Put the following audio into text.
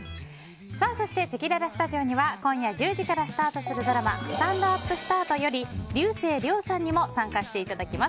そして、せきららスタジオには今夜１０時からスタートするドラマ「スタンドＵＰスタート」より竜星涼さんにも参加していただきます。